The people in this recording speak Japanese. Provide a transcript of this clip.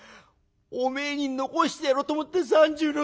おめえに残してやろうと思った３０両